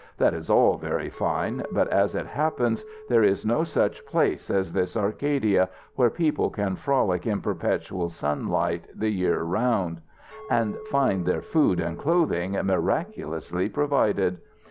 "That is all very fine, but, as it happens, there is no such place as this Arcadia, where people can frolic in perpetual sunlight the year round, and find their food and clothing miraculously provided.